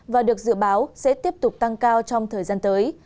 và được dự báo sẽ tiếp tục tăng cao trong thời gian tới